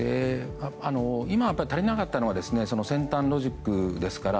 今、足りなかったのは先端ロジックですから。